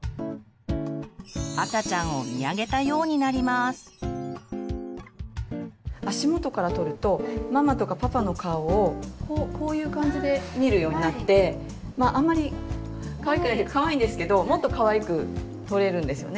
赤ちゃんを足元から撮るとママとかパパの顔をこういう感じで見るようになってまああんまりかわいくないというかかわいいんですけどもっとかわいく撮れるんですよね。